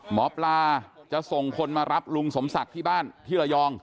หมอปลาจะส่งคนมารับลุงสมศักดิ์ที่บ้านที่ระยอง